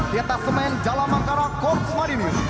tieta semen jalan ankara korps marini